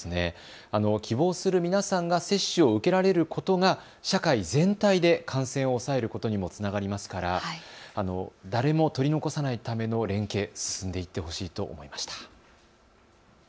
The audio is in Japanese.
希望する皆さんが接種を受けられることが社会全体で感染を抑えることにもつながりますから誰も取り残さないための連携、進んでいってほしいと思いました。